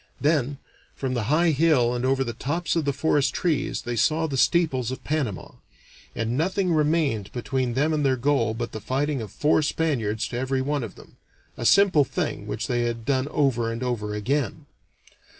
Then, from the high hill and over the tops of the forest trees, they saw the steeples of Panama, and nothing remained between them and their goal but the fighting of four Spaniards to every one of them a simple thing which they had done over and over again.